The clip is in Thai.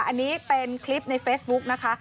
อันนี้เป็นคลิปในเฟซบุ๊กนะคะ